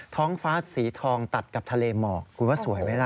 ท้องฟ้าสีทองตัดกับทะเลหมอกคุณว่าสวยไหมล่ะ